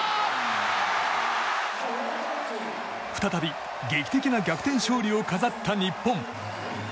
再び、劇的な逆転勝利を飾った日本。